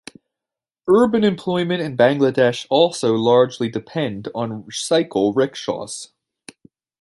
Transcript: Urban employment in Bangladesh also largely depend on cycle rickshaws.